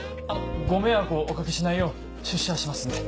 ご迷惑をお掛けしないよう出社はしますので。